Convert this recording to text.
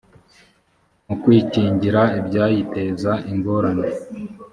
mu kwikingira ibyayiteza ingorane